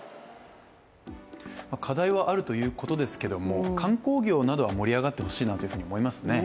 課題はあるということですけれども、観光業などは盛り上がってほしいなと思いますね。